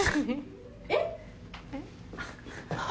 ・えっ？